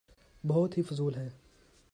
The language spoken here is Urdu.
بہت ہی فضول ہے۔